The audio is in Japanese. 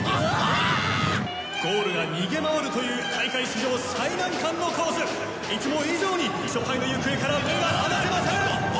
「ゴールが逃げ回るという大会史上最難関のコース」「いつも以上に勝敗の行方から目が離せません！」